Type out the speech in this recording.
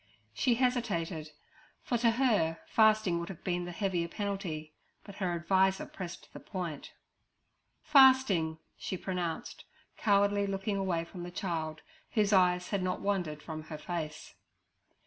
She hesitated, for to her fasting would have been the heavier penalty; but her adviser pressed the point. 'Fasting' she pronounced, cowardly looking away from the child, whose eyes had not wandered from her face.